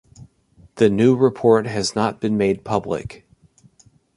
The new report has not been made public.